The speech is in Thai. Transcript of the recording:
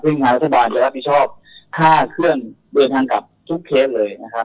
ซึ่งทางรัฐบาลจะรับผิดชอบค่าเครื่องเดินทางกลับทุกเคสเลยนะครับ